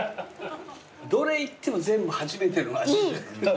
どれいっても全部初めての味。